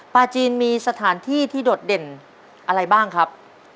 จีนมีสถานที่ที่โดดเด่นอะไรบ้างครับ